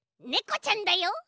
ネコちゃんだよ。